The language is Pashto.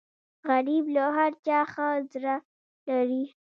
غریب له هر چا ښه زړه لري